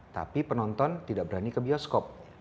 tapi penonton tidak berani ke bioskop